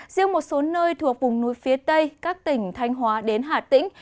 riêng một số nơi thuộc vùng núi phía tây các tỉnh thanh hóa đến hà tĩnh